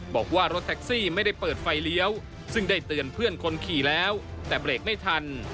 บอกว่ารถแท็กซี่ไม่ได้เปิดไฟเลี้ยวซึ่งได้เตือนเพื่อนคนขี่แล้วแต่เบรกไม่ทัน